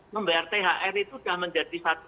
membayar thr itu sudah menjadi